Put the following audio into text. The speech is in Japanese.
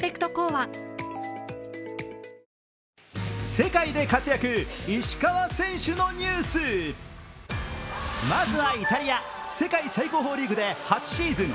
世界で活躍、石川選手のニュースまずはイタリア、世界最高峰リーグで８シーズン。